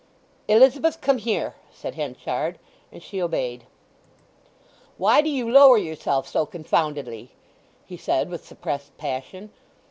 "Elizabeth, come here!" said Henchard; and she obeyed. "Why do you lower yourself so confoundedly?" he said with suppressed passion.